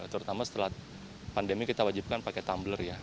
terutama setelah pandemi kita wajibkan pakai tumbler ya